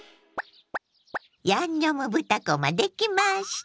「ヤンニョム豚こま」できました。